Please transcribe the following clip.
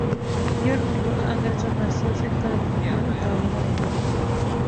George B. Anderson nació cerca de Hillsboro, en Carolina del Norte.